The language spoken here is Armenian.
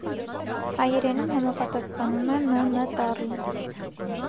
Հայերենում համապատասխանում է «Մ մ» տառին։